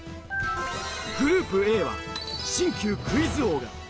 グループＡは新旧クイズ王が。